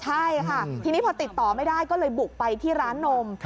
ใช่ค่ะทีนี้พอติดต่อไม่ได้ก็เลยบุกไปที่ร้านนม